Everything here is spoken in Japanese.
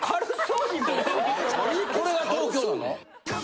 これが東京なの？